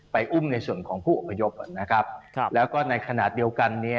ไปอุ้มในส่วนของผู้อพยพแล้วก็ในคณะเดียวกัน